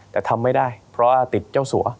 แต่ทำไม่ได้เพราะว่าติดเจ้าสัว